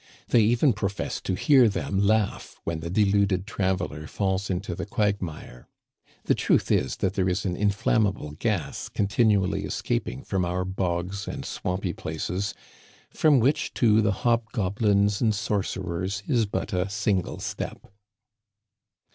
They even profess to hear them laugh when the deluded traveler falls into the quagmire. The truth is, that there Digitized by VjOOQIC 38 T'HE CANADIANS OF OLD. is an inflammable gas continually escaping from our bogs and swampy places, from which to the hobgoblins and sorcerers is but a single step."